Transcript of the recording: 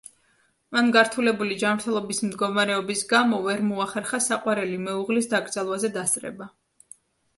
მან გართულებული ჯანმრთელობის მდგომარეობის გამო ვერ მოახერხა საყვარელი მეუღლის დაკრძალვაზე დასწრება.